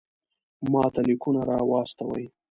ماته لیکونه را واستوئ.